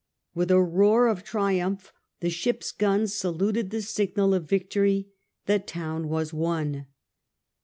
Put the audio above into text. With a roar of triumph the ship's guns saluted the signal of victory. The town was won.